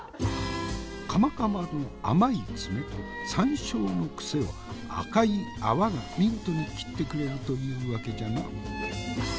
カマカバの甘いツメと山椒のクセを赤い泡が見事に切ってくれるというわけじゃな。